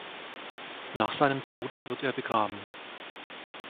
Nach seinem Tod wird er begraben.